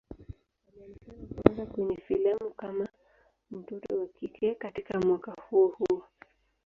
Alionekana kwanza kwenye filamu kama mtoto wa kike katika mwaka huo huo.